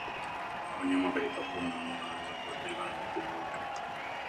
Wanyama katika kundi wanaweza kuathirika na ukurutu